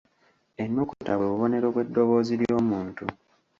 Ennukuta bwe bubonero bw'eddoboozi ly'omuntu.